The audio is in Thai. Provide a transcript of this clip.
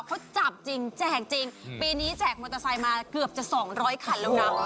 เขาจับจริงแจกจริงปีนี้แจกมอเตอร์ไซค์มาเกือบจะ๒๐๐คันแล้วนะ